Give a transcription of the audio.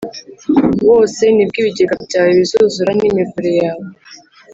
Wose Ni Bwo Ibigega Byawe Bizuzura ni Imivure Yawe